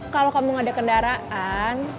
kalau kamu ada kendaraan